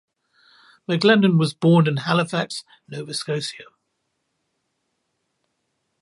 MacLellan was born in Halifax, Nova Scotia.